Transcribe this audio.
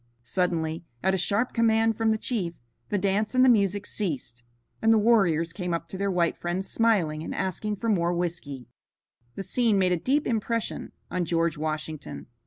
Suddenly, at a sharp command from the chief, the dance and the music ceased, and the warriors came up to their white friends smiling and asking for more whiskey. The scene made a deep impression on George Washington.